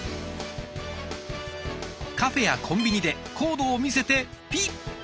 カフェやコンビニでコードを見せてピッ！